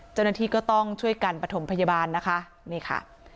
เจ้าหน้าที่ก็ต้องช่วยกันประถมพยาบาลนะคะนี่ค่ะ